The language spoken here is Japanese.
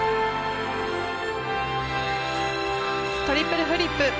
トリプルフリップ。